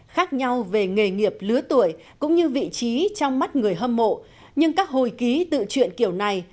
khác nhau về nghề nghiệp lứa tuổi cũng như vị trí trong mắt người hâm mộ nhưng các hồi ký tự chuyện kiểu này